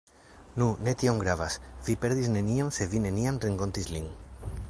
Nu, ne tiom gravas, vi perdis nenion se vi neniam renkontis lin.